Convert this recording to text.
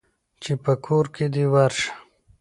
چې په کور دى ورشه.